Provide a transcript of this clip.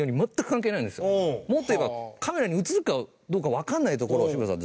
もっと言えばカメラに映るかどうかわからないところを志村さん